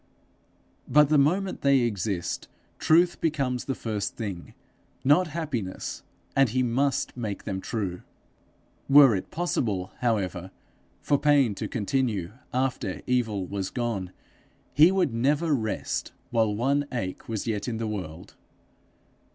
But the moment they exist, truth becomes the first thing, not happiness; and he must make them true. Were it possible, however, for pain to continue after evil was gone, he would never rest while one ache was yet in the world.